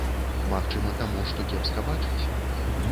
Магчыма таму, што кепска бачыць?